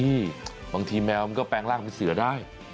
นี่บางทีแมวมันก็แปลงร่างเป็นเสือได้